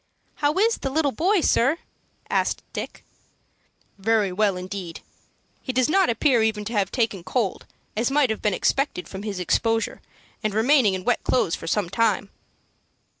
"How is the little boy, sir?" asked Dick. "Very well, indeed. He does not appear even to have taken cold, as might have been expected from his exposure, and remaining in wet clothes for some time."